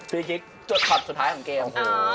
พรีคลิกจดฝัดสุดท้ายของเกม